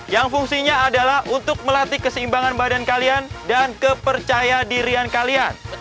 yang fungsinya adalah untuk melatih keseimbangan badan kalian dan kepercayaan dirian kalian